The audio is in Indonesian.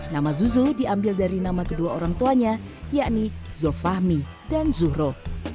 nama zuzu diambil dari nama kedua orang tuanya yakni zofahmi dan zuhro